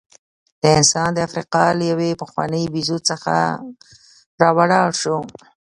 دا انسان د افریقا له یوې پخوانۍ بیزو څخه راولاړ شو.